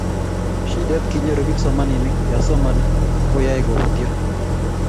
shidet kinyoru kipsomaninik ya somani akoyaei koputyo